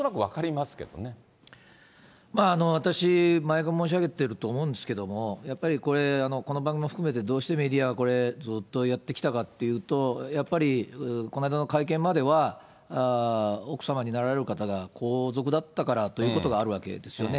まあ、私、前も申し上げてると思うんですけど、やっぱりこれ、この番組も含めて、どうしてメディアがずっとやってきたかっていうと、やっぱりこの間の会見までは、奥様になられる方が皇族だったからということがあるわけですよね。